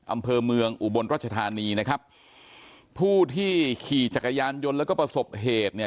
อำเภอเมืองอุบลรัชธานีนะครับผู้ที่ขี่จักรยานยนต์แล้วก็ประสบเหตุเนี่ย